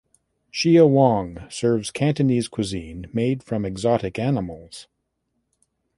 Shia Wong serves Cantonese cuisine made from exotic animals.